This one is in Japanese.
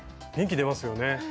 元気出ますよね。